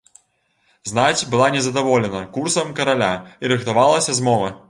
Знаць была незадаволена курсам караля, і рыхтавалася змова.